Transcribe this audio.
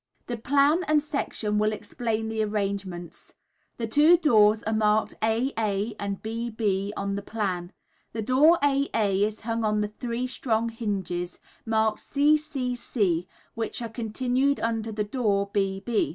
The plan and section will explain the arrangement. The two doors are marked A A and B B on the plan. The door A A is hung on three strong hinges, marked C C C, which are continued under the door B B.